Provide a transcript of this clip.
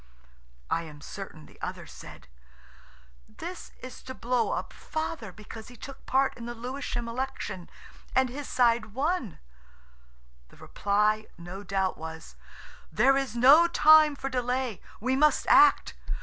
I am certain the other said, "This is to blow up Father because he took part in the Lewisham Election, and his side won." The reply no doubt was, "There is no time for delay; we must act.